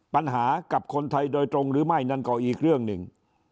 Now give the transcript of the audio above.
กับคนไทยโดยตรงหรือไม่นั่นก็อีกเรื่องหนึ่ง